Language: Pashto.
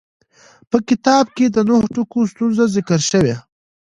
په کتاب کې د نهو ټکو ستونزه ذکر شوې.